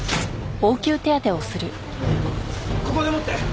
ここで持って。